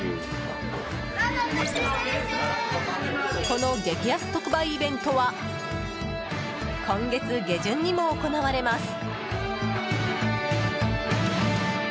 この激安特売イベントは今月下旬にも行われます。